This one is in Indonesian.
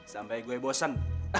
sampai gue bosen